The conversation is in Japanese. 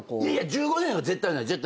１５年は絶対ない。